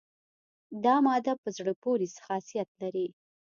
دا ماده په زړه پورې خاصیت لري.